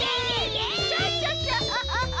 クシャシャシャ！